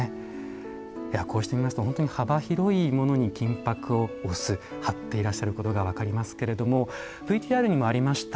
いやこうしてみますと本当に幅広いものに金箔を押す貼っていらっしゃることが分かりますけれどもＶＴＲにもありました